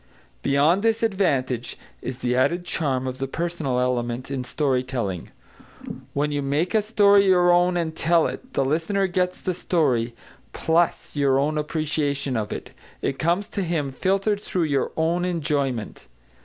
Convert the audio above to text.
Beyond this advantage, is the added charm of the personal element in story telling. When you make a story your own and tell it, the listener gets the story, plus your appreciation of it. It comes to him filtered through your own enjoyment.